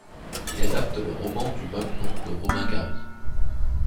Il adapte le roman du même nom de Romain Gary.